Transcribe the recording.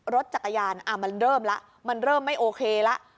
รถจักรยานมันเริ่มแล้วมันเริ่มไม่โอเคแล้ว